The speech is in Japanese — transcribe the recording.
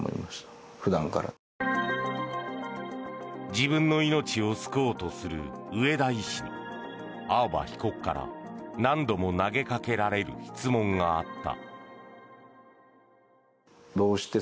自分の命を救おうとする上田医師に青葉被告から何度も投げかけられる質問があった。